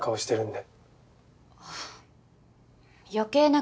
で？